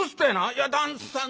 「いや旦さん